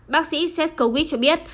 bác sĩ seth kowich cho biết